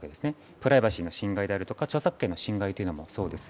プライバシーの侵害であるとか著作権の侵害というのもそうです。